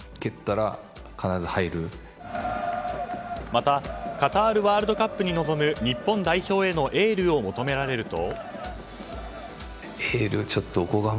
またカタールワールドカップに臨む日本代表へのエールを求められると。